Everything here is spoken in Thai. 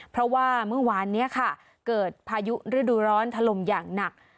เพราะว่าเมื่อวานนี้ค่ะเกิดพายุฤดูร้อนถล่มอย่างหนัก